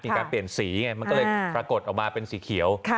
มีการเปลี่ยนสีไงมันก็เลยปรากฏออกมาเป็นสีเขียว